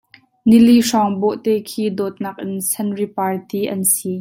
Nili hrawng bawhte khi dawtnak in senripar ti an si.